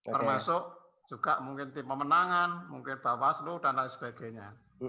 termasuk juga mungkin tim pemenangan mungkin bawaslu dan lain sebagainya